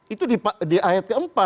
itu di ayat empat